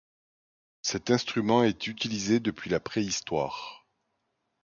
Cet instrument est utilisé depuis la préhistoire.